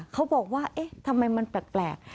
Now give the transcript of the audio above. เขาบอกว่าเอ๊ะทำไมมันแปลก